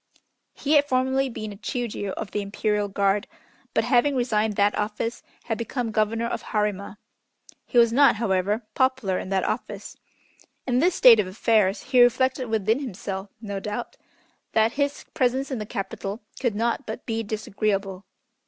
He had formerly been a Chiûjiô of the Imperial Guard, but having resigned that office, had become Governor of Harima. He was not, however, popular in that office. In this state of affairs he reflected within himself, no doubt, that his presence in the Capital could not but be disagreeable.